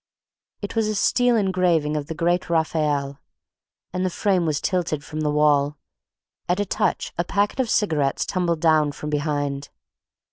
It was a steel engraving of the great Raffaelle, and the frame was tilted from the wall; at a touch a packet of cigarettes tumbled down from behind.